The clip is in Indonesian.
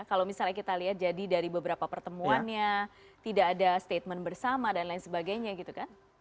kalau misalnya kita lihat jadi dari beberapa pertemuannya tidak ada statement bersama dan lain sebagainya gitu kan